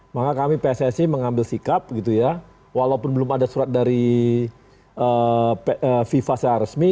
maka kami pssi mengambil sikap gitu ya walaupun belum ada surat dari fifa secara resmi